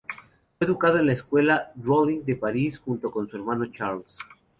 Fue educado en la escuela Rollin de París junto con su hermano Charles.